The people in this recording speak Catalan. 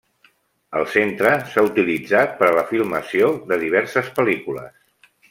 El centre s'ha utilitzat per a la filmació de diverses pel·lícules.